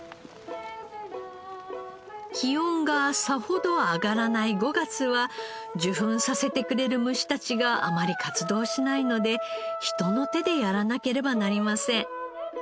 気温がさほど上がらない５月は受粉させてくれる虫たちがあまり活動しないので人の手でやらなければなりません。